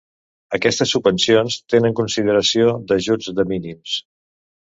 Aquestes subvencions tenen la consideració d'ajuts de minimis.